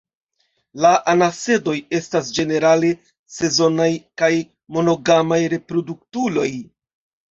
La anasedoj estas ĝenerale sezonaj kaj monogamaj reproduktuloj.